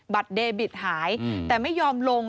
เดบิตหายแต่ไม่ยอมลง